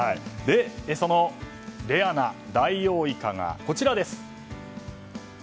そのレアなダイオウイカがこちらです。